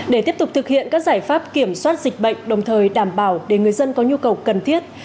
để tiếp tục thực hiện các giải pháp kiểm soát dịch bệnh đồng thời đảm bảo để người dân có nhu cầu cần thiết